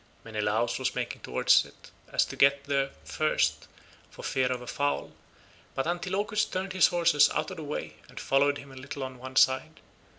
Menelaus was making towards it so as to get there first, for fear of a foul, but Antilochus turned his horses out of the way, and followed him a little on one side.